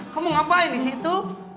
kamu ngapain di situ